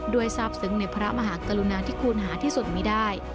ทราบซึ้งในพระมหากรุณาที่คุณหาที่สุดมีได้